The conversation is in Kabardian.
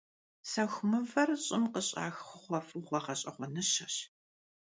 Сэху мывэр щӀым къыщӀах хъугъуэфӀыгъуэ гъэщӀэгъуэныщэщ.